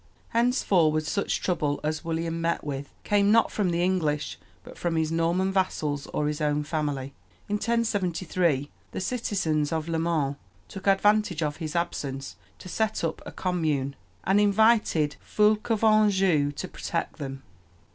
Henceforward such trouble as William met with came, not from the English, but from his Norman vassals or his own family. In 1073 the citizens of Le Mans took advantage of his absence to set up a "commune," and invited Fulk of Anjou to protect them.